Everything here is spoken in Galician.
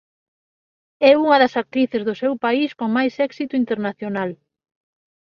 É unha das actrices do seu país con máis éxito internacional.